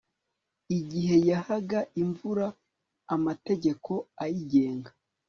igihe yahaga imvura amategeko ayigenga